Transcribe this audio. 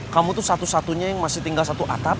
kamu tuh satu satunya yang masih tinggal satu atap